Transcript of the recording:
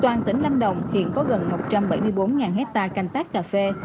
toàn tỉnh lâm đồng hiện có gần một trăm bảy mươi bốn hectare canh tác cà phê